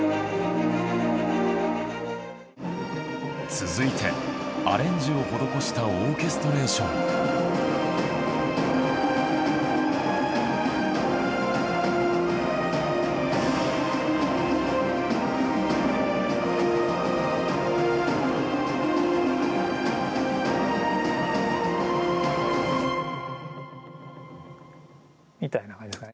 続いてアレンジを施したオーケストレーション。みたいな。